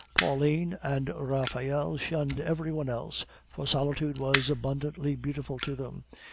Pauline and Raphael shunned every one else, for solitude was abundantly beautiful to them.